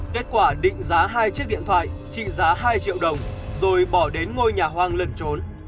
kết quả định giá hai chiếc điện thoại trị giá hai triệu đồng rồi bỏ đến ngôi nhà hoang lẩn trốn